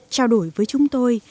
trao đổi với chúng tôi